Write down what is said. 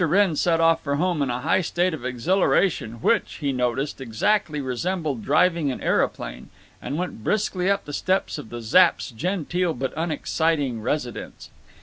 Wrenn set off for home in a high state of exhilaration which, he noticed, exactly resembled driving an aeroplane, and went briskly up the steps of the Zapps' genteel but unexciting residence.